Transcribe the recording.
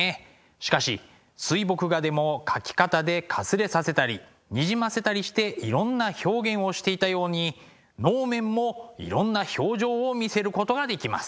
しかし水墨画でも描き方でかすれさせたりにじませたりしていろんな表現をしていたように能面もいろんな表情を見せることができます。